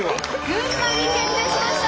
群馬に決定しました！